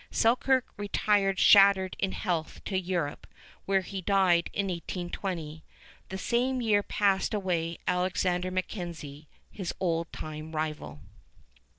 Selkirk retired shattered in health to Europe, where he died in 1820. The same year passed away Alexander MacKenzie, his old time rival.